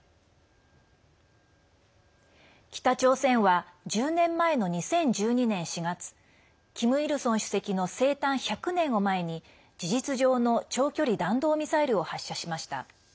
北朝鮮は１０年前の２０１２年４月キム・イルソン主席の生誕１００年を前に事実上の長距離弾道ミサイルを発射しました。